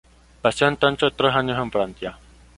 Pasó entonces tres años en Francia.